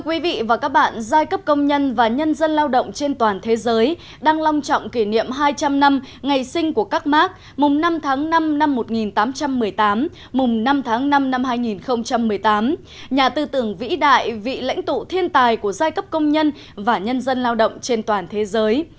các mạc mùng năm tháng năm năm một nghìn tám trăm một mươi tám mùng năm tháng năm năm hai nghìn một mươi tám nhà tư tưởng vĩ đại vị lãnh tụ thiên tài của giai cấp công nhân và nhân dân lao động trên toàn thế giới